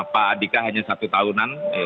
pak andika hanya satu tahunan